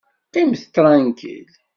Qqimet tṛankil!